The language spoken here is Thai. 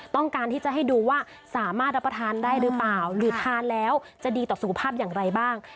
ต้องการที่จะให้ดูว่าสามารถรับประทานได้หรือเปล่าหรือทานแล้วจะดีต่อสุขภาพอย่างไรบ้าง